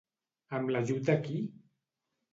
Amb l'ajut de qui?